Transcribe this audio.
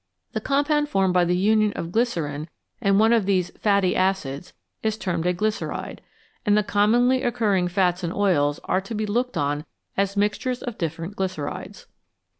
The compound formed by the union of glycerine and one of these " fatty " acids is termed a " glyceride," and the commonly occurring fats and oils are to be looked on as mixtures of different glycerides.